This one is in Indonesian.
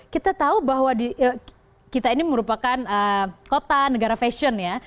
kita tahu bahwa kita ini merupakan kota negara fashion ya